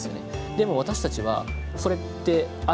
でも私たちはそれってあり